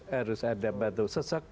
harus ada batu sesek